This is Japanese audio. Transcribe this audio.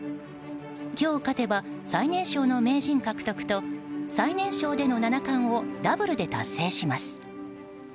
今日、勝てば最年少の名人獲得と最年少での七冠をダブルで達成します。